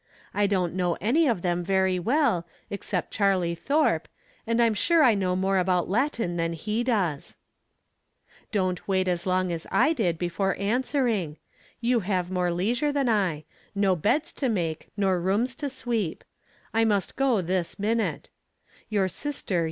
I don't know any of them very well, except Charlie Thorpe, and I'm sure I know more about Latin than he does. Don't wait as long as 1 did before answering ; you have more leisure than I — no beds to make nor rooms to.